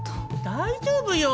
大丈夫よ！